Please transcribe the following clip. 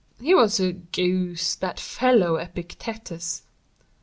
"He was a goose, that fellow Epictetus."